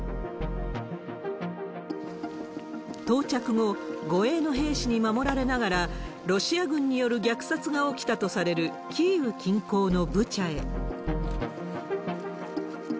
到着後、護衛の兵士に守られながら、ロシア軍による虐殺が起きたとされるキーウ近郊のブチャへ。